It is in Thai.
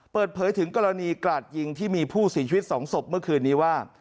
เปิดเผยถึงกรณีกราดยิงที่มีผู้เสียชีวิต๒ศพเมื่อคืนนี้ว่า